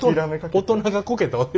大人がこけたわけ。